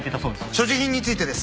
所持品についてです。